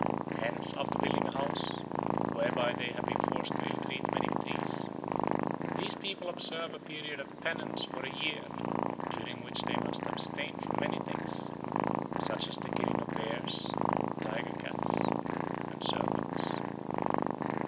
Hence after building a house, whereby they have been forced to ill treat many trees, these people observe a period of penance for a year during which they must abstain from many things, such as the killing of bears, tiger cats, and serpents.